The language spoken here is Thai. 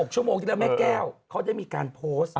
๖ชั่วโมงที่แม่แก้วเขาจะมีการโพสต์